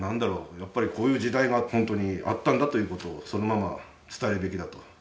やっぱりこういう時代が本当にあったんだということをそのまま伝えるべきだと。